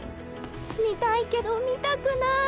見たいけど見たくない。